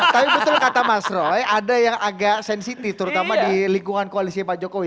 tapi betul kata mas roy ada yang agak sensitif terutama di lingkungan koalisi pak jokowi